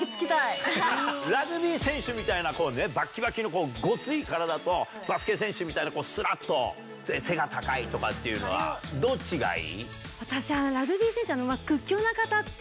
ラグビー選手みたいなバッキバキのゴツい体とバスケ選手みたいなスラっと背が高いとかっていうのはどっちがいい？